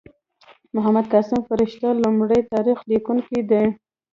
محمد قاسم فرشته لومړی تاریخ لیکونکی دﺉ.